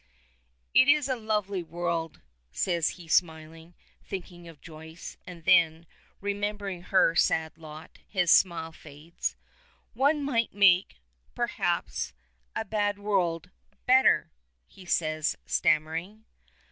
"It is a lovely world," says he smiling, thinking of Joyce, and then, remembering her sad lot, his smile fades. "One might make perhaps a bad world better," he says, stammering.